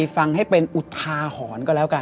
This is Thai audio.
ฟังให้เป็นอุทาหอน